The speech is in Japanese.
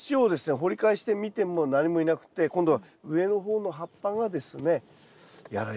掘り返してみても何もいなくて今度は上の方の葉っぱがですねやられちまう。